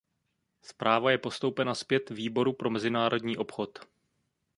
Zpráva je postoupena zpět Výboru pro mezinárodní obchod.